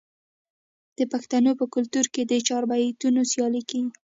د پښتنو په کلتور کې د چاربیتیو سیالي کیږي.